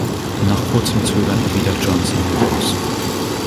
Nach kurzem Zögern erwidert Johnson den Gruß.